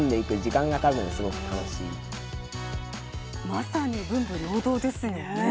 まさに文武両道ですよね。